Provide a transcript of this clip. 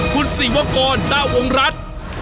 คุณศิวกรต้าวงรัฐ